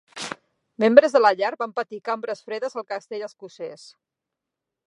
Membres de la llar van patir cambres fredes al castell escocès.